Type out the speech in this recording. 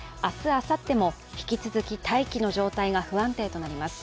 明日、あさっても引き続き大気の状態が不安定となります。